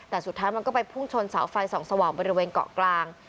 แต่สุดท้ายมันก็ไปพุ่งชนเสาไฟส่องสว่างบริเวณเกาะกลาง